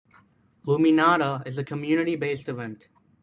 Luminata is a community-based event.